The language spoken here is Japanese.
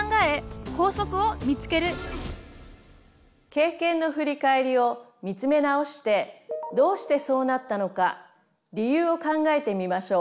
経験の振り返りを見つめ直してどうしてそうなったのか理由を考えてみましょう。